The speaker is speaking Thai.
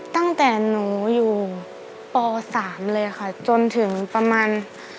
ตั้งแต่หนูอยู่ป๓เลยค่ะจนถึงประมาณ